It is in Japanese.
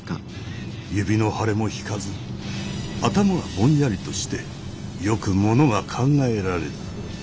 指の腫れも引かず頭がぼんやりとしてよくものが考えられず。